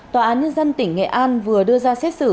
tòa án nhân dân tỉnh nghệ an vừa đưa ra xét xử